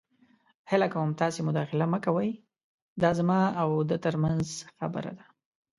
هیله کوم تاسې مداخله مه کوئ. دا زما او ده تر منځ خبره ده.